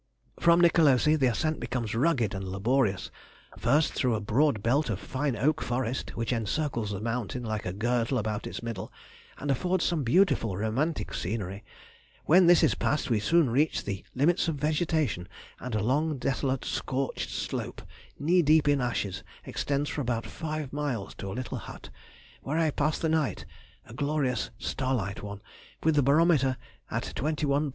From Nicolosi the ascent becomes rugged and laborious, first through a broad belt of fine oak forest, which encircles the mountain like a girdle about its middle, and affords some beautiful romantic scenery—when this is passed we soon reach the limits of vegetation, and a long desolate scorched slope, knee deep in ashes, extends for about five miles to a little hut, where I passed the night (a glorious starlight one) with the barometer at 21·307 in.